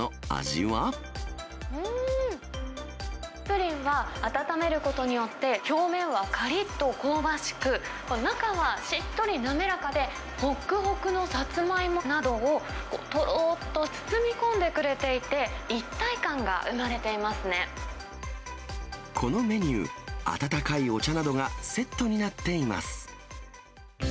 うーん、プリンは温めることによって、表面はかりっと香ばしく、中はしっとり滑らかで、ほくほくのサツマイモなどを、とろーっと包み込んでくれていて、このメニュー、温かいお茶などがセットになっています。